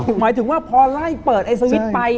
หมายถึงว่าพอไล่เปิดไอสวิตช์ไป